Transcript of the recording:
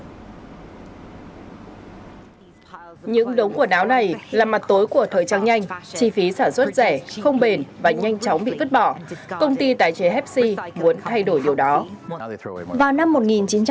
những đống quần áo này là mặt tối của thời trang nhanh chi phí sản xuất rẻ không bền và nhanh chóng bị vứt bỏ công ty tái chế hepsi muốn thay đổi điều đó